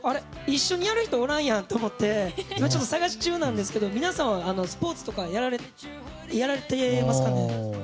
一緒にやる人おらんやんって思って探し中ですけど皆さんはスポーツとかやらていますかね。